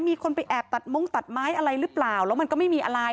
มีคนไปแอบตัดมงตัดไม้อะไรหรือเปล่าแล้วมันก็ไม่มีอะไร